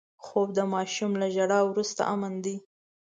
خوب د ماشوم له ژړا وروسته امن دی